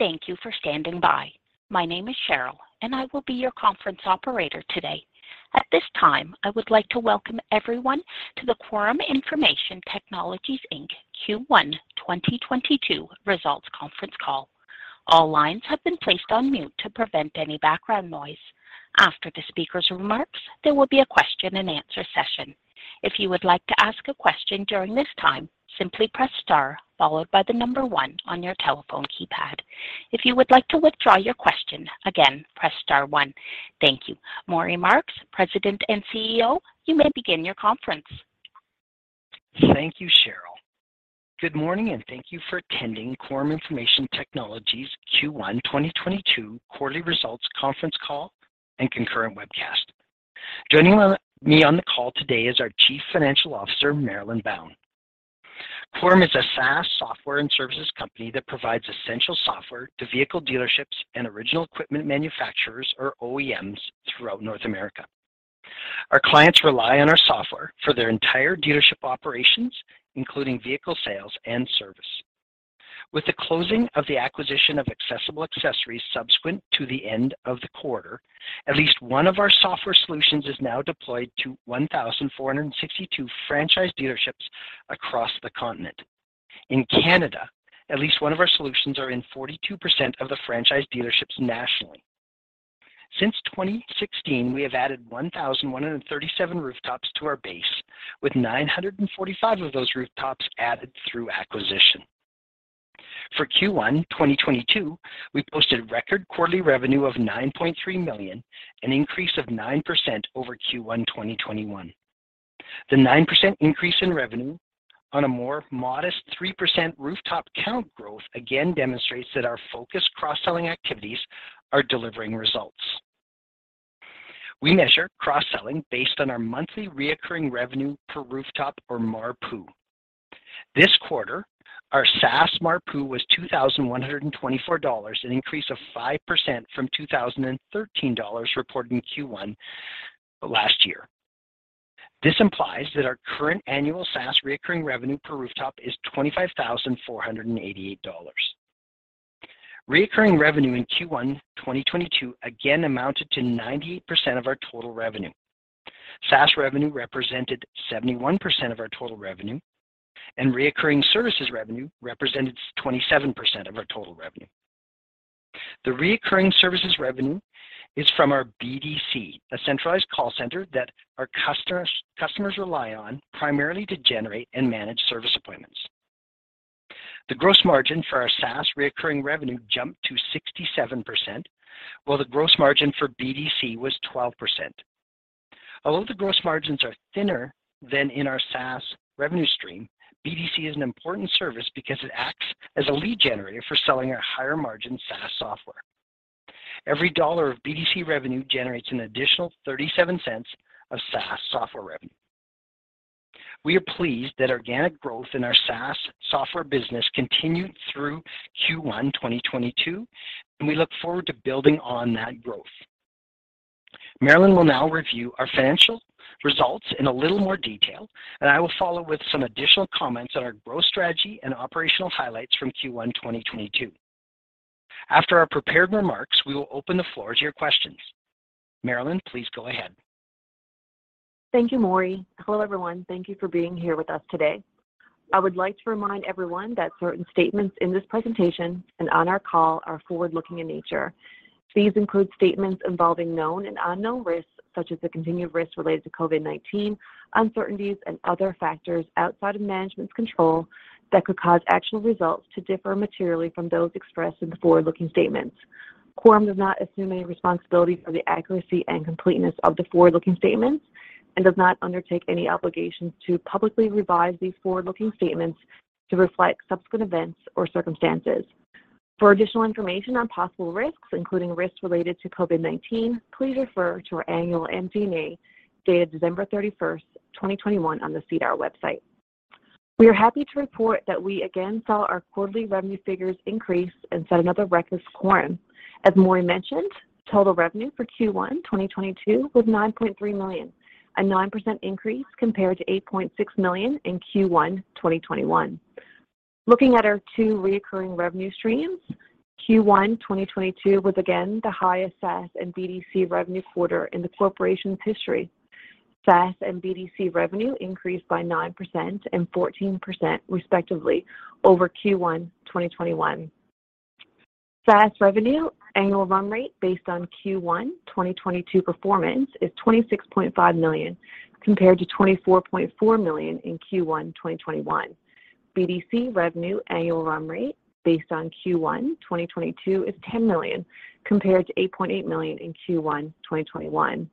Thank you for standing by. My name is Cheryl, and I will be your conference operator today. At this time, I would like to welcome everyone to the Quorum Information Technologies Inc. Q1 2022 Results Conference Call. All lines have been placed on mute to prevent any background noise. After the speaker's remarks, there will be a question and answer session. If you would like to ask a question during this time, simply press star followed by the number one on your telephone keypad. If you would like to withdraw your question, again, press star one. Thank you. Maury Marks, President and CEO, you may begin your conference. Thank you, Cheryl. Good morning, and thank you for attending Quorum Information Technologies Q1 2022 Quarterly Results Conference Call and Concurrent Webcast. Joining me on the call today is our Chief Financial Officer, Marilyn Bown. Quorum is a SaaS software and services company that provides essential software to vehicle dealerships and original equipment manufacturers, or OEMs, throughout North America. Our clients rely on our software for their entire dealership operations, including vehicle sales and service. With the closing of the acquisition of Accessible Accessories subsequent to the end of the quarter, at least one of our software solutions is now deployed to 1,462 franchise dealerships across the continent. In Canada, at least one of our solutions are in 42% of the franchise dealerships nationally. Since 2016, we have added 1,137 rooftops to our base, with 945 of those rooftops added through acquisition. For Q1 2022, we posted record quarterly revenue of 9.3 million, an increase of 9% over Q1 2021. The 9% increase in revenue on a more modest 3% rooftop count growth again demonstrates that our focused cross-selling activities are delivering results. We measure cross-selling based on our monthly recurring revenue per rooftop or MARPU. This quarter, our SaaS MARPU was 2,124 dollars, an increase of 5% from 2,013 dollars reported in Q1 last year. This implies that our current annual SaaS recurring revenue per rooftop is 25,488 dollars. Recurring revenue in Q1 2022 again amounted to 90% of our total revenue. SaaS revenue represented 71% of our total revenue, and recurring services revenue represented 27% of our total revenue. The recurring services revenue is from our BDC, a centralized call center that our customers rely on primarily to generate and manage service appointments. The gross margin for our SaaS recurring revenue jumped to 67%, while the gross margin for BDC was 12%. Although the gross margins are thinner than in our SaaS revenue stream, BDC is an important service because it acts as a lead generator for selling our higher margin SaaS software. Every CAD 1 of BDC revenue generates an additional 0.37 of SaaS software revenue. We are pleased that organic growth in our SaaS software business continued through Q1 2022, and we look forward to building on that growth. Marilyn will now review our financial results in a little more detail, and I will follow with some additional comments on our growth strategy and operational highlights from Q1 2022. After our prepared remarks, we will open the floor to your questions. Marilyn, please go ahead. Thank you, Maury. Hello, everyone. Thank you for being here with us today. I would like to remind everyone that certain statements in this presentation and on our call are forward-looking in nature. These include statements involving known and unknown risks, such as the continued risk related to COVID-19, uncertainties and other factors outside of management's control that could cause actual results to differ materially from those expressed in the forward-looking statements. Quorum does not assume any responsibility for the accuracy and completeness of the forward-looking statements and does not undertake any obligations to publicly revise these forward-looking statements to reflect subsequent events or circumstances. For additional information on possible risks, including risks related to COVID-19, please refer to our annual MD&A dated December 31st, 2021 on the SEDAR website. We are happy to report that we again saw our quarterly revenue figures increase and set another record for Quorum. As Maury mentioned, total revenue for Q1 2022 was 9.3 million, a 9% increase compared to 8.6 million in Q1 2021. Looking at our two recurring revenue streams, Q1 2022 was again the highest SaaS and BDC revenue quarter in the corporation's history. SaaS and BDC revenue increased by 9% and 14%, respectively, over Q1 2021. SaaS revenue annual run rate based on Q1 2022 performance is 26.5 million, compared to 24.4 million in Q1 2021. BDC revenue annual run rate based on Q1 2022 is 10 million, compared to 8.8 million in Q1 2021.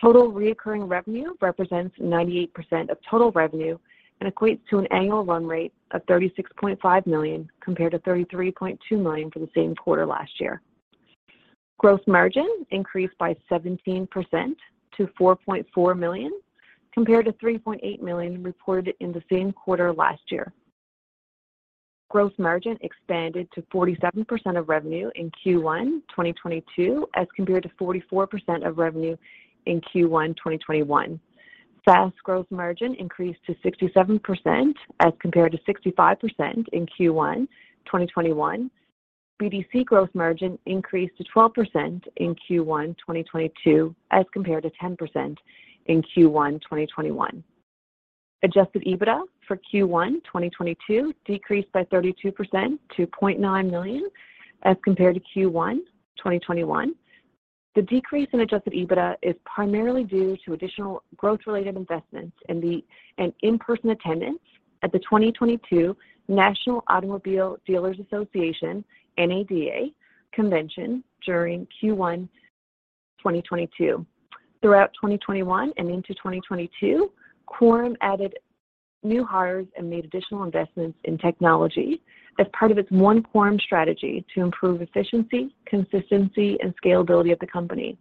Total recurring revenue represents 98% of total revenue and equates to an annual run rate of 36.5 million, compared to 33.2 million for the same quarter last year. Gross margin increased by 17% to 4.4 million, compared to 3.8 million reported in the same quarter last year. Gross margin expanded to 47% of revenue in Q1 2022, as compared to 44% of revenue in Q1 2021. SaaS gross margin increased to 67% as compared to 65% in Q1 2021. BDC gross margin increased to 12% in Q1 2022 as compared to 10% in Q1 2021. Adjusted EBITDA for Q1 2022 decreased by 32% to 0.9 million as compared to Q1 2021. The decrease in Adjusted EBITDA is primarily due to additional growth-related investments in an in-person attendance at the 2022 National Automobile Dealers Association, NADA, convention during Q1 2022. Throughout 2021 and into 2022, Quorum added new hires and made additional investments in technology as part of its One Quorum strategy to improve efficiency, consistency, and scalability of the company.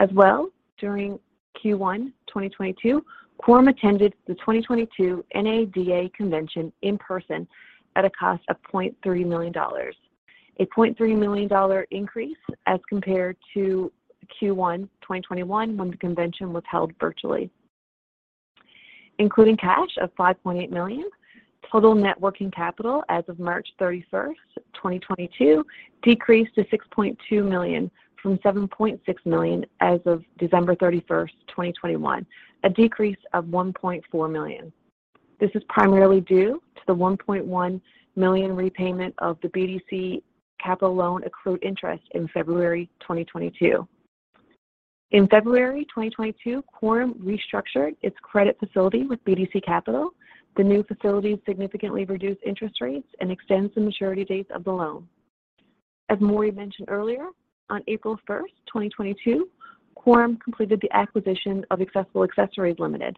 As well, during Q1 2022, Quorum attended the 2022 NADA convention in person at a cost of 0.3 million dollars, a 0.3 million dollar increase as compared to Q1 2021 when the convention was held virtually. Including cash of 5.8 million, total net working capital as of March 31st, 2022 decreased to 6.2 million from 7.6 million as of December 31st, 2021, a decrease of 1.4 million. This is primarily due to the 1.1 million repayment of the BDC Capital loan accrued interest in February 2022. In February 2022, Quorum restructured its credit facility with BDC Capital. The new facility significantly reduced interest rates and extends the maturity dates of the loan. As Maury mentioned earlier, on April 1st, 2022, Quorum completed the acquisition of Accessible Accessories Ltd.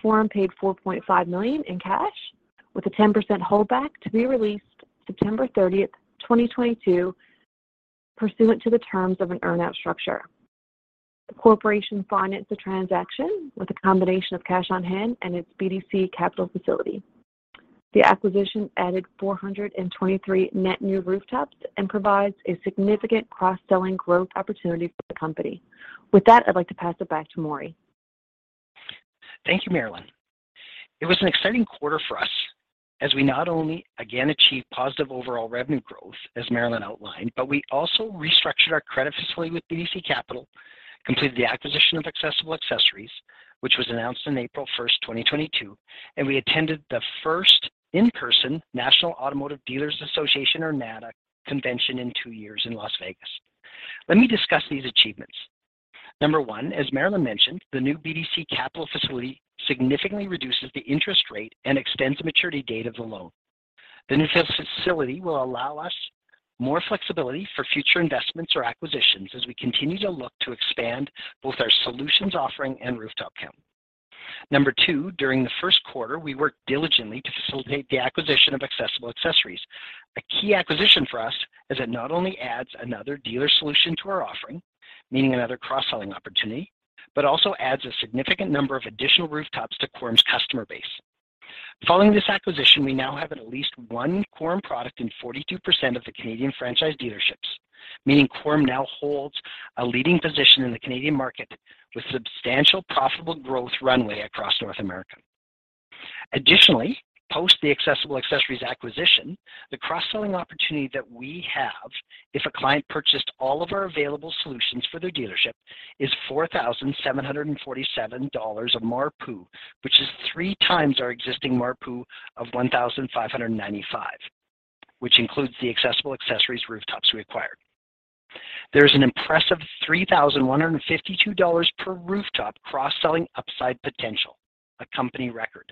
Quorum paid 4.5 million in cash with a 10% holdback to be released September 30th, 2022, pursuant to the terms of an earnout structure. The corporation financed the transaction with a combination of cash on hand and its BDC Capital facility. The acquisition added 423 net new rooftops and provides a significant cross-selling growth opportunity for the company. With that, I'd like to pass it back to Maury. Thank you, Marilyn. It was an exciting quarter for us as we not only again achieved positive overall revenue growth, as Marilyn outlined, but we also restructured our credit facility with BDC Capital, completed the acquisition of Accessible Accessories, which was announced on April 1st, 2022, and we attended the first in-person National Automobile Dealers Association, or NADA, convention in two years in Las Vegas. Let me discuss these achievements. Number one, as Marilyn mentioned, the new BDC Capital facility significantly reduces the interest rate and extends the maturity date of the loan. The new facility will allow us more flexibility for future investments or acquisitions as we continue to look to expand both our solutions offering and rooftop count. Number two, during the first quarter, we worked diligently to facilitate the acquisition of Accessible Accessories. A key acquisition for us as it not only adds another dealer solution to our offering, meaning another cross-selling opportunity, but also adds a significant number of additional rooftops to Quorum's customer base. Following this acquisition, we now have at least one Quorum product in 42% of the Canadian franchise dealerships, meaning Quorum now holds a leading position in the Canadian market with substantial profitable growth runway across North America. Additionally, post the Accessible Accessories acquisition, the cross-selling opportunity that we have if a client purchased all of our available solutions for their dealership is 4,747 dollars of MARPU, which is three times our existing MARPU of 1,595, which includes the Accessible Accessories rooftops we acquired. There's an impressive 3,152 dollars per rooftop cross-selling upside potential, a company record.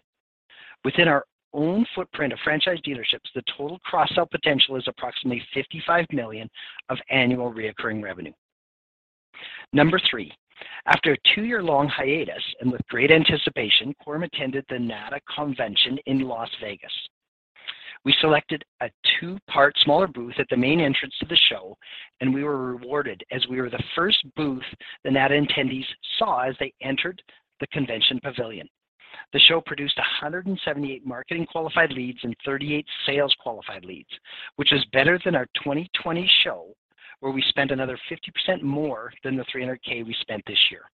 Within our own footprint of franchise dealerships, the total cross-sell potential is approximately 55 million of annual recurring revenue. Number three, after a two-year-long hiatus and with great anticipation, Quorum attended the NADA convention in Las Vegas. We selected a two-part smaller booth at the main entrance to the show, and we were rewarded as we were the first booth the NADA attendees saw as they entered the convention pavilion. The show produced 178 marketing qualified leads and 38 sales qualified leads, which is better than our 2020 show, where we spent another 50% more than the 300,000 we spent this year.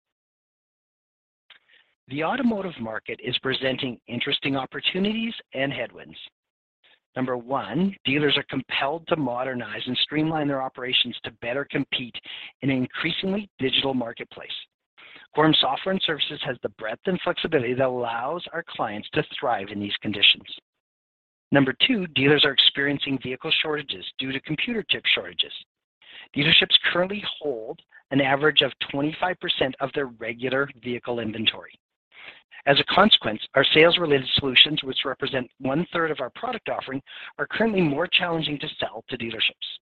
The automotive market is presenting interesting opportunities and headwinds. Number one, dealers are compelled to modernize and streamline their operations to better compete in an increasingly digital marketplace. Quorum Information Technologies has the breadth and flexibility that allows our clients to thrive in these conditions. Number two, dealers are experiencing vehicle shortages due to computer chip shortages. Dealerships currently hold an average of 25% of their regular vehicle inventory. As a consequence, our sales-related solutions, which represent 1/3 of our product offering, are currently more challenging to sell to dealerships.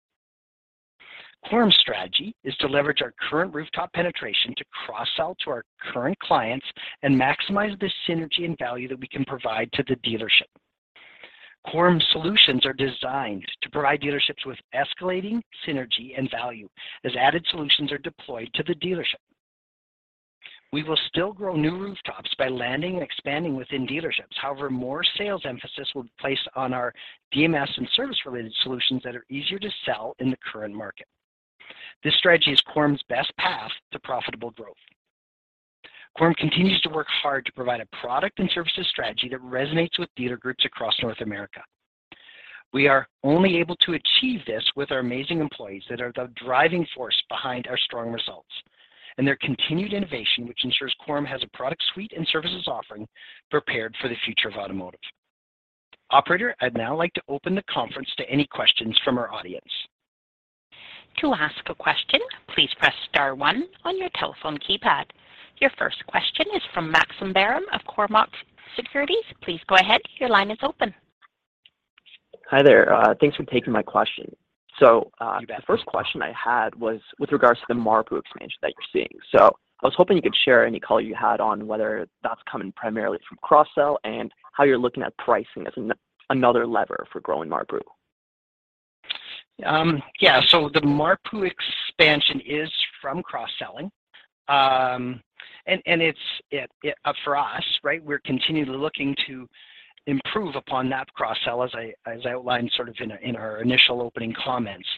Quorum's strategy is to leverage our current rooftop penetration to cross-sell to our current clients and maximize the synergy and value that we can provide to the dealership. Quorum's solutions are designed to provide dealerships with escalating synergy and value as added solutions are deployed to the dealership. We will still grow new rooftops by landing and expanding within dealerships. However, more sales emphasis will be placed on our DMS and service-related solutions that are easier to sell in the current market. This strategy is Quorum's best path to profitable growth. Quorum continues to work hard to provide a product and services strategy that resonates with dealer groups across North America. We are only able to achieve this with our amazing employees that are the driving force behind our strong results and their continued innovation, which ensures Quorum has a product suite and services offering prepared for the future of automotive. Operator, I'd now like to open the conference to any questions from our audience. To ask a question, please press star one on your telephone keypad. Your first question is from Graham Smith of Cormark Securities. Please go ahead. Your line is open. Hi, there. Thanks for taking my question. You bet. The first question I had was with regards to the MARPU expansion that you're seeing. I was hoping you could share any color you had on whether that's coming primarily from cross-sell and how you're looking at pricing as another lever for growing MARPU. Yeah. The MARPU expansion is from cross-selling. For us, right, we're continually looking to improve upon that cross-sell as I outlined sort of in our initial opening comments.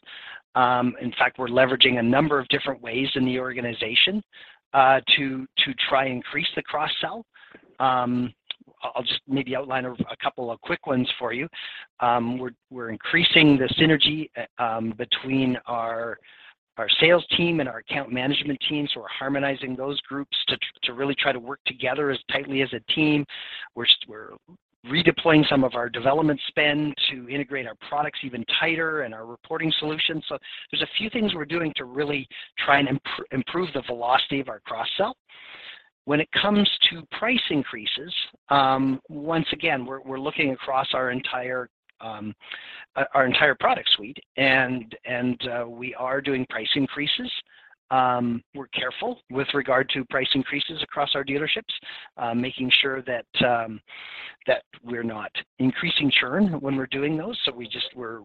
In fact, we're leveraging a number of different ways in the organization to try to increase the cross-sell. I'll just maybe outline a couple of quick ones for you. We're increasing the synergy between our sales team and our account management team, so we're harmonizing those groups to really try to work together as tightly as a team. We're redeploying some of our development spend to integrate our products even tighter and our reporting solutions. There's a few things we're doing to really try and improve the velocity of our cross-sell. When it comes to price increases, once again, we're looking across our entire product suite and we are doing price increases. We're careful with regard to price increases across our dealerships, making sure that we're not increasing churn when we're doing those. We're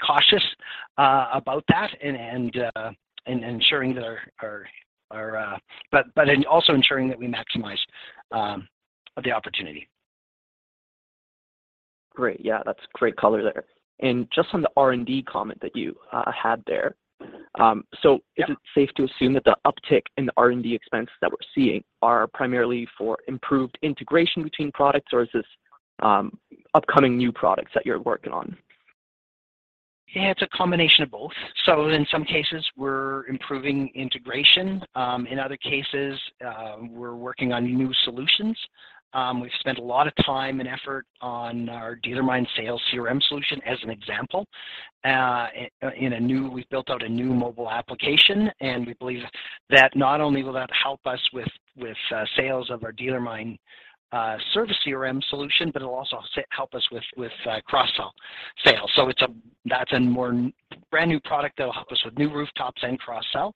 cautious about that and then also ensuring that we maximize the opportunity. Great. Yeah, that's great color there. Just on the R&D comment that you had there. Yeah is it safe to assume that the uptick in the R&D expense that we're seeing are primarily for improved integration between products, or is this upcoming new products that you're working on? Yeah, it's a combination of both. In some cases, we're improving integration. In other cases, we're working on new solutions. We've spent a lot of time and effort on our DealerMine Sales CRM solution as an example. We've built out a new mobile application, and we believe that not only will that help us with sales of our DealerMine Service CRM solution, but it'll also help us with cross-sell sales. That's a more brand-new product that'll help us with new rooftops and cross-sell.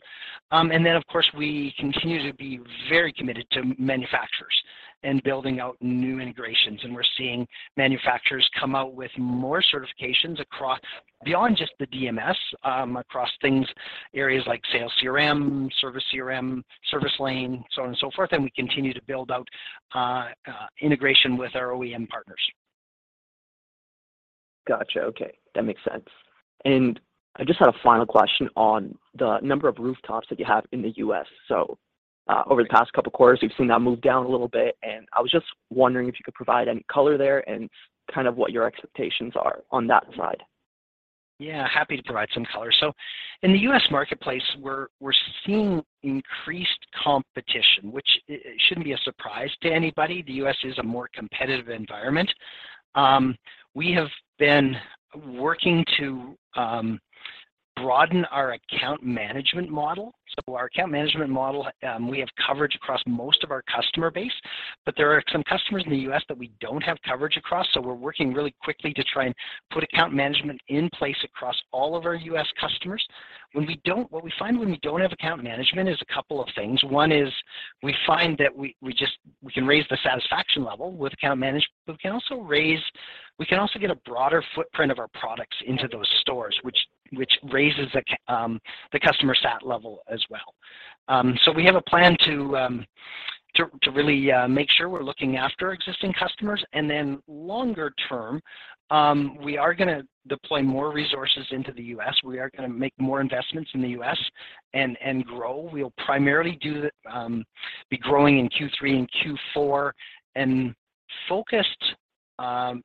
Of course, we continue to be very committed to manufacturers and building out new integrations, and we're seeing manufacturers come out with more certifications across beyond just the DMS, across things, areas like sales CRM, service CRM, service lane, so on and so forth, and we continue to build out integration with our OEM partners. Gotcha. Okay. That makes sense. I just had a final question on the number of rooftops that you have in the U.S. Over the past couple of quarters, we've seen that move down a little bit, and I was just wondering if you could provide any color there and kind of what your expectations are on that slide. Yeah, happy to provide some color. In the U.S. marketplace, we're seeing increased competition, which it shouldn't be a surprise to anybody. The U.S. is a more competitive environment. We have been working to broaden our account management model. Our account management model, we have coverage across most of our customer base, but there are some customers in the U.S. that we don't have coverage across, so we're working really quickly to try and put account management in place across all of our U.S. customers. What we find when we don't have account management is a couple of things. One is we find that we just can raise the satisfaction level with account management. We can also get a broader footprint of our products into those stores, which raises the customer sat level as well. We have a plan to really make sure we're looking after existing customers. Longer term, we are gonna deploy more resources into the U.S. We are gonna make more investments in the U.S. and grow. We'll primarily be growing in Q3 and Q4 and focused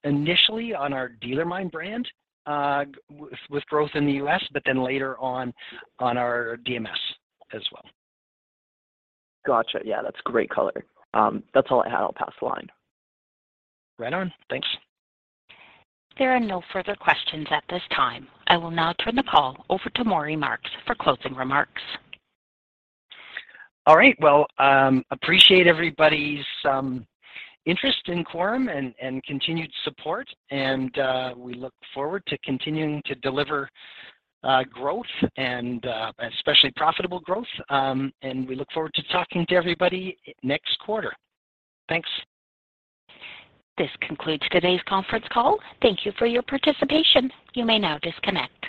initially on our DealerMine brand, with growth in the U.S., but then later on our DMS as well. Gotcha. Yeah, that's great color. That's all I had. I'll pass the line. Right on. Thanks. There are no further questions at this time. I will now turn the call over to Maury Marks for closing remarks. All right. Well, appreciate everybody's interest in Quorum and continued support, and we look forward to continuing to deliver growth and especially profitable growth. We look forward to talking to everybody next quarter. Thanks. This concludes today's conference call. Thank you for your participation. You may now disconnect.